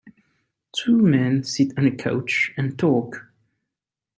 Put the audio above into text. Two men sit on a couch and talk.